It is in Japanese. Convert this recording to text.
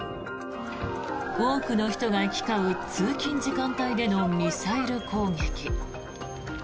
多くの人が行き交う通勤時間帯でのミサイル攻撃。